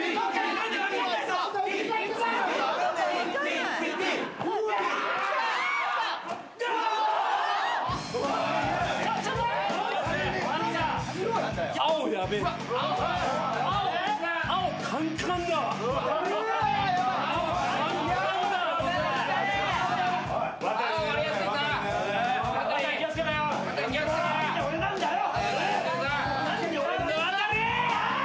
何で俺なんだよ！